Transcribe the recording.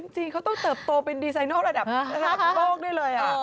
จริงเขาต้องเติบโตเป็นดีไซนอลระดับระดับโลกได้เลย